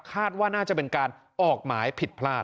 คาดว่าน่าจะเป็นการออกหมายผิดพลาด